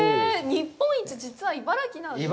日本一、実は茨城なんですね。